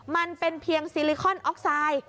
มันเป็นเพียงซิลิคอนออกไซด์